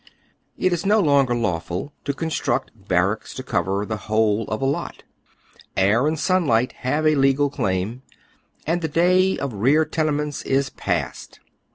It is no longer lawful to construct barracks to cover the whole of a lot. Air and sunlight have a legal claim, and the day of rear tenements is past.